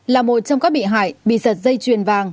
là một trong các bị hại bị giật dây chuyền vàng